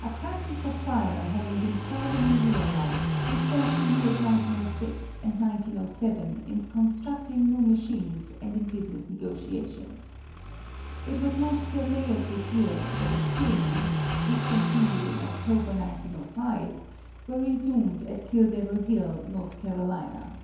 A practical flyer having been finally realized, we spent the years 1906 and 1907 in constructing new machines and in business negotiations. It was not till May of this year that experiments (discontinued in October, 1905) were resumed at Kill Devil Hill, North Carolina.